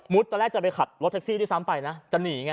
มุดตอนแรกจะไปขับรถแท็กซี่ที่สามไปนะจะหนีไง